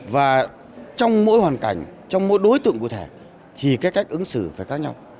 và trong mỗi hoàn cảnh trong mỗi đối tượng cụ thể thì cái cách ứng xử phải khác nhau